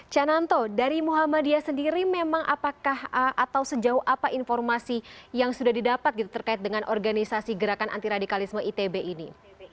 cananto dari muhammadiyah sendiri memang apakah atau sejauh apa informasi yang sudah didapat gitu terkait dengan organisasi gerakan anti radikalisme itb ini